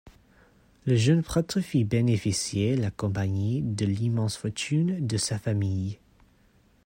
Le jeune prêtre fit bénéficier la Compagnie de l'immense fortune de sa famille.